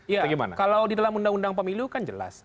ya kalau di dalam undang undang pemilu kan jelas